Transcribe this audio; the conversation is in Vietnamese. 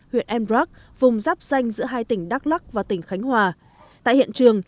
huyện embrag vùng rắp ranh giữa hai tỉnh đắk lắc và tỉnh khánh hòa tại hiện trường